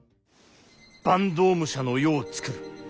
坂東武者の世をつくる。